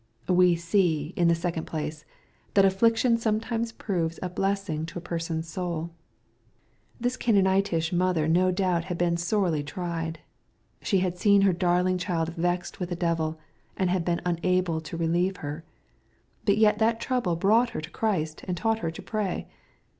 We see, in the second place, that affliction sometimes proves a blessing to a person's sotU, This Caananitish mother no doubt had been sorely tried. She had seen her darling child vexed with a devil, and been unable to iselieve her. But yet that trouble brought her to Christ, and taught her to pray.